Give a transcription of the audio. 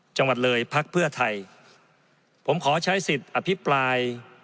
จังหวัดเลยพักเพื่อไทยผมขอใช้สิทธิ์อภิปราย